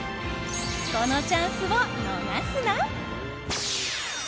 このチャンスを逃すな。